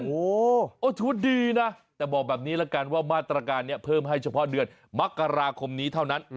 โอ้โหชุดดีนะแต่บอกแบบนี้ละกันว่ามาตรการนี้เพิ่มให้เฉพาะเดือนมกราคมนี้เท่านั้น